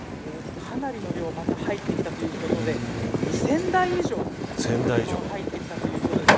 昨日はかなりの量が入ってきたということで１０００台以上トラックが入ってきたということです。